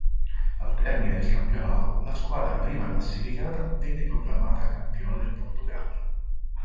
Al termine del campionato la squadra prima classificata venne proclamata campione del Portogallo.